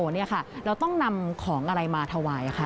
เราต้องนำของอะไรมาถวาย